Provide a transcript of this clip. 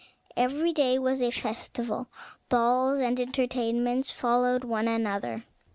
Every day was a festival; balls and entertainments followed one another.